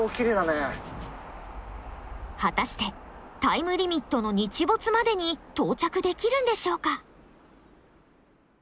果たしてタイムリミットの日没までに到着できるんでしょうか？